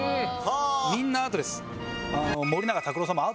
みんなアートです。